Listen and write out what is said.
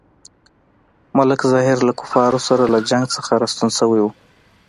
ملک ظاهر له کفارو سره له جنګ څخه راستون شوی وو.